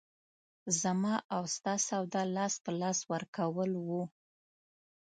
زما او ستا سودا لاس په لاس ورکول وو.